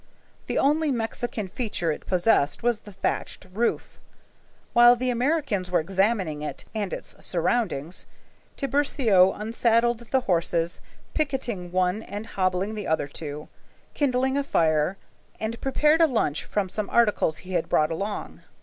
The only Mexican feature it possessed was the thatched roof. While the Americans were examining it and its surroundings, Tiburcio unsaddled the horses, picketing one and hobbling the other two, kindled a fire, and prepared a lunch from some articles he had brought along.